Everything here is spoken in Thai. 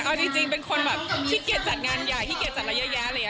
เอาจริงเป็นคนแบบขี้เกียจจัดงานใหญ่ขี้เกียจจัดอะไรเยอะแยะอะไรอย่างนี้